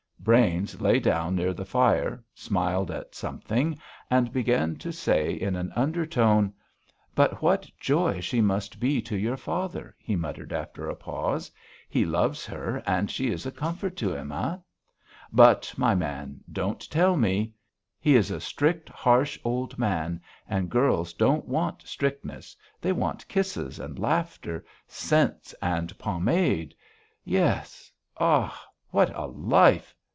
Brains lay down near the fire, smiled at something, and began to say in an undertone: "But what a joy she must be to your father," he muttered after a pause. "He loves her and she is a comfort to him, eh? But, my man, don't tell me. He is a strict, harsh old man. And girls don't want strictness; they want kisses and laughter, scents and pomade. Yes.... Ah! What a life!"